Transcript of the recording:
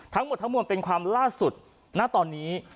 ทั้งหมดทั้งมวลเป็นความล่าสุดณตอนนี้